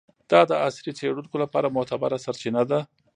دا د عصري څیړونکو لپاره معتبره سرچینه ده.